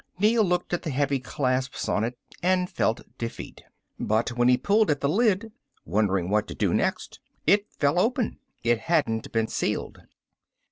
Neel looked at the heavy clasps on it and felt defeat. But when he pulled at the lid, wondering what to do next, it fell open. It hadn't been sealed.